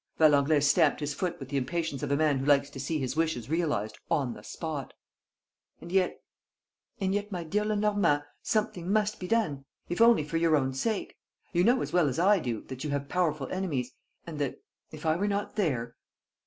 Valenglay stamped his foot with the impatience of a man who likes to see his wishes realized on the spot: "And yet ... and yet, my dear Lenormand, something must be done ... if only for your own sake. You know as well as I do that you have powerful enemies ... and that, if I were not there